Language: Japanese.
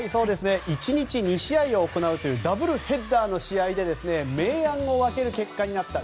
１日２試合行うというダブルヘッダーの試合で明暗を分ける結果になった。